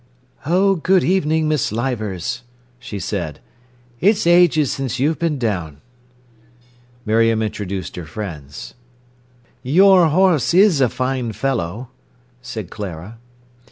"Oh, good evening, Miss Leivers," she said. "It's ages since you've been down." Miriam introduced her friends. "Your horse is a fine fellow!" said Clara.